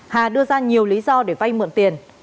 hà đưa ra nhiều lý do để vay mượn tiền